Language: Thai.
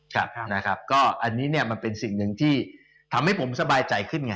ครับนะครับก็อันนี้เนี่ยมันเป็นสิ่งหนึ่งที่ทำให้ผมสบายใจขึ้นไง